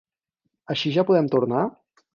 Així ja podem tornar?